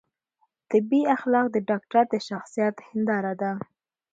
طبي اخلاق د ډاکتر د شخصیت هنداره ده